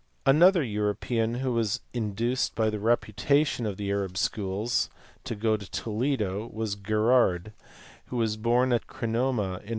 Another European who was induced by the reputation of the Arab schools to go to Toledo was Gerard f who was born at Cremona in 1114 and died in 1187.